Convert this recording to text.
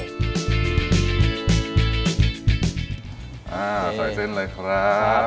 ใส่เส้นเลยครับ